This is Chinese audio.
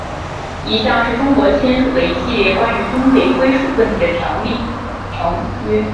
以下是中国签署的一系列关于东北归属问题的条约。